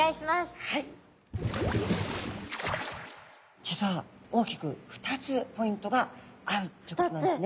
実は大きく２つポイントがあるってことなんですね。